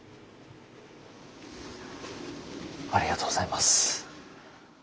ありがとうございます。